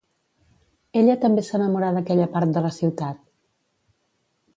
Ella també s'enamorà d'aquella part de la ciutat.